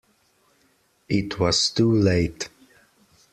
It was too late.